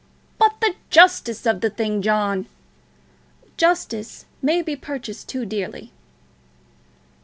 "But the justice of the thing, John!" "Justice may be purchased too dearly."